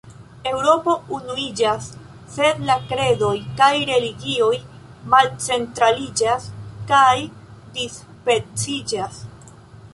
Eŭropo unuiĝas, sed la kredoj kaj religioj malcentraliĝas kaj dispeciĝas.